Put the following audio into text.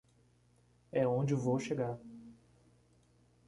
É onde vou chegar.